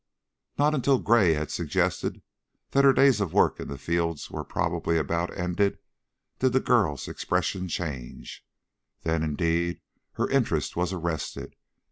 Not until Gray had suggested that her days of work in the fields were probably about ended did the girl's expression change. Then indeed her interest was arrested.